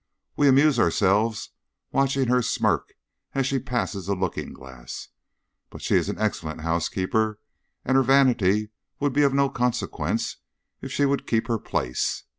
We amuse ourselves watching her smirk as she passes a looking glass. But she is an excellent housekeeper, and her vanity would be of no consequence if she would keep her place.